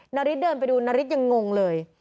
นาริสเดินไปดูนาริสยังงงเลย